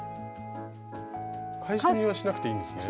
返し縫いはしなくていいんですね？